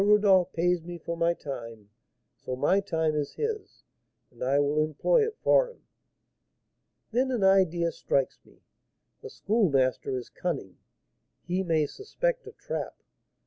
Rodolph pays me for my time, so my time is his, and I will employ it for him.' Then an idea strikes me: the Schoolmaster is cunning, he may suspect a trap.